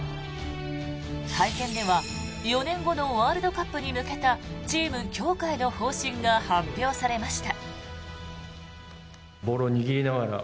会見では４年後のワールドカップに向けたチーム強化への方針が発表されました。